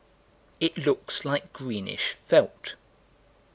It looks like greenish felt.